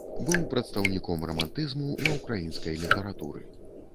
Быў прадстаўніком рамантызму ва ўкраінскай літаратуры.